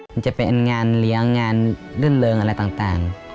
มันจะเป็นงานเลี้ยงงานรื่นเริงอะไรต่าง